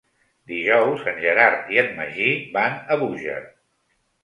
Dijous en Gerard i en Magí van a Búger.